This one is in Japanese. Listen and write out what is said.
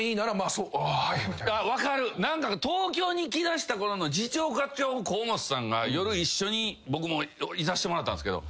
東京に来だした頃の次長課長河本さんが夜一緒に僕もいさせてもらったんすけど。